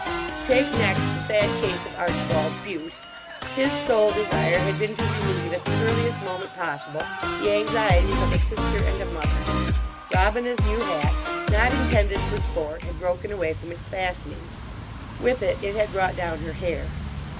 To take next the sad case of Archibald Bute: his sole desire had been to relieve, at the earliest moment possible, the anxieties of a sister and a mother. Robina's new hat, not intended for sport, had broken away from its fastenings. With it, it had brought down her hair.